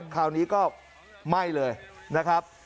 คราวนี้ก็ไหม้เลยนะครับ